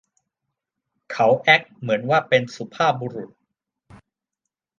เขาแอ็คเหมือนว่าเป็นสุภาพบุรุษ